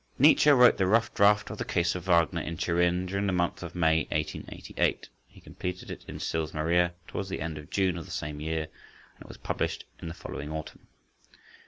Nietzsche wrote the rough draft of "The Case of Wagner" in Turin, during the month of May 1888; he completed it in Sils Maria towards the end of June of the same year, and it was published in the following autumn.